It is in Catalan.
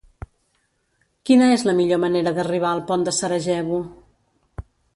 Quina és la millor manera d'arribar al pont de Sarajevo?